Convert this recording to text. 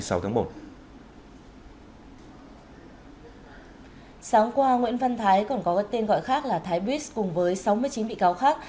sáng qua nguyễn văn thái còn có tên gọi khác là thái bích cùng với sáu mươi chín bị cáo khác